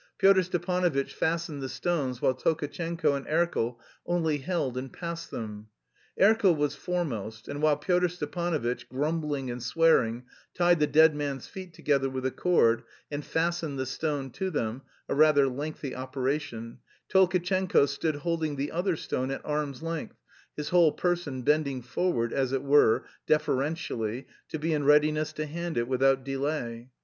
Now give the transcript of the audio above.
Pyotr Stepanovitch fastened the stones while Tolkatchenko and Erkel only held and passed them. Erkel was foremost, and while Pyotr Stepanovitch, grumbling and swearing, tied the dead man's feet together with the cord and fastened the stone to them a rather lengthy operation Tolkatchenko stood holding the other stone at arm's length, his whole person bending forward, as it were, deferentially, to be in readiness to hand it without delay.